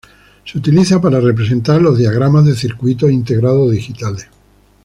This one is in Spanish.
Se utiliza para representar los diagramas de circuitos integrados digitales.